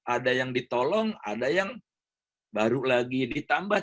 ada yang ditolong ada yang baru lagi ditambah